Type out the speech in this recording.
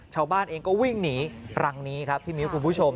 ชาวบ้านเองก็วิ่งหนีรังนี้ครับพี่มิ้วคุณผู้ชม